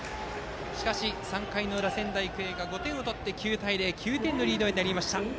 しかし３回の裏、仙台育英が５点を取って９対０と９点のリードになりました。